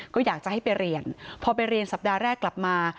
ก็อยากจะให้ไปเรียนพอไปเรียนสัปดาห์แรกกลับมา